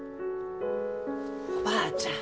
おばあちゃん